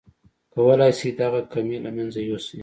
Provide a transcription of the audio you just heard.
کولای شئ دغه کمی له منځه يوسئ.